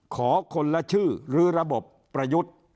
ขอคนละชื่อหรือระบบประยุทธ์